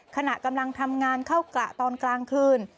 ขณะกำลังทำงานเข้ากระตอนกลางคืน